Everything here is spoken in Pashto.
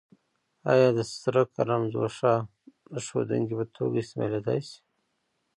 آیا د سره کرم ځوښا د ښودونکي په توګه استعمالیدای شي؟